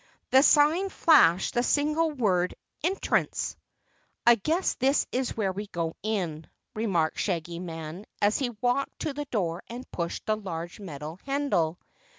The sign flashed the single word "ENTRANCE." "I guess this is where we go in," remarked the Shaggy Man as he walked to the door and pushed the large metal handle.